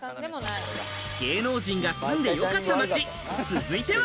芸能人が住んでよかった街、続いては。